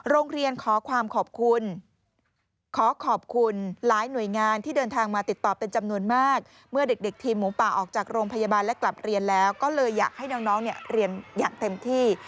โรงเรียนขอความขอบคุณขอขอบคุณหลายหน่วยงานที่เดินทางมาติดต่อเป็นจำนวนมากเมื่อเด็กทีมหมูป่าออกจากโรงพยาบาลและกลับเรียนแล้วก็เลยอยากให้น้องเนี่ยเรียนอย่างเต็มที่